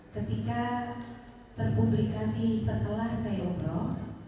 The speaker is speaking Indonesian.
ketika terpublikasi setelah saya obrol